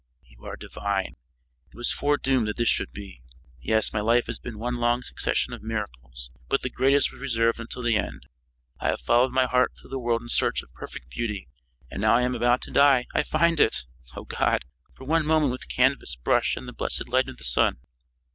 "You are divine. It was foredoomed that this should be! Yes, my life has been one long succession of miracles, but the greatest was reserved until the end. I have followed my heart through the world in search of perfect beauty and now I am about to die, I find it. Oh, God! For one moment with canvas, brush, and the blessed light of the sun!